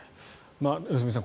良純さん